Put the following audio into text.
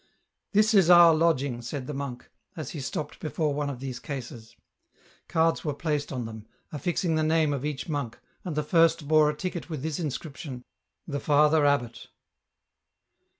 " This is our lodging," said the monk, as he stopped before one of these cases. Cards were placed on them, affixing the name of each monk, and the first bore a ticket with this inscription :" The Father Abbot."